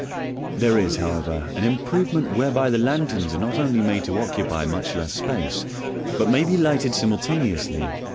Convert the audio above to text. There is, however, an improvement whereby the lanterns are not only made to occupy much less space, but may be lighted simultaneously.